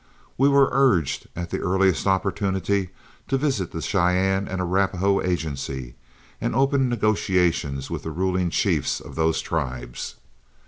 We were urged at the earliest opportunity to visit the Cheyenne and Arapahoe agency, and open negotiations with the ruling chiefs of those tribes.